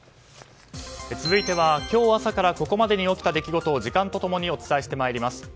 続いては今日朝からここまでに起きた出来事を時間と共にお伝えしてまいります。